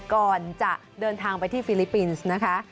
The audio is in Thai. ก่อนจะเท่าที่ฟิลิปปินส์นะคะ